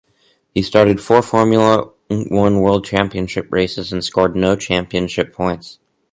He started four Formula One World Championship races and scored no championship points.